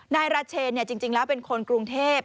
นายราเชนจริงแล้วเป็นคนกรุงเทพ